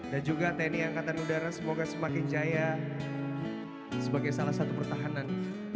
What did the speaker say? dan juga tni angkatan udara semoga semakin jaya sebagai salah satu pertahanan bangsa indonesia